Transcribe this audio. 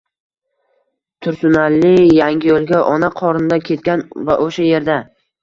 Tursunali Yangiyo’lga ona qornida ketgan va o’sha yerda